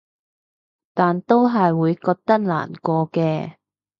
但都係會覺得難過嘅